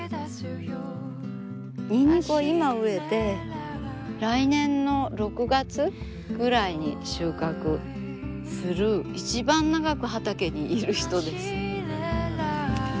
にんにくは今植えて来年の６月ぐらいに収穫する一番長く畑にいるひとです。